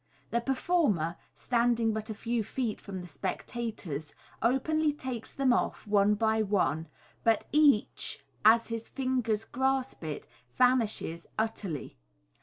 The performer, standing but a few feet from the spectators, openly takes them off one by one, but each, as his fingers grasp it, vanishes utterly.